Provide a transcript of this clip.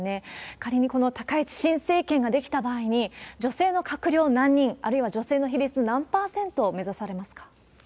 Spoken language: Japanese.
仮にこの高市新政権が出来た場合に、女性の閣僚何人、あるいは女性の比率、何％を目指されますか？